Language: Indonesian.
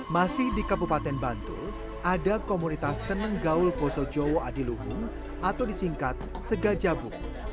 masih di kabupaten bantul ada komunitas senenggaul bosho jowo adilumu atau disingkat segajabu